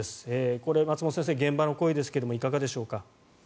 これ松本先生、現場の声ですがいかがでしょうか。